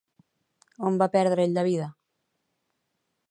On va perdre ell la vida?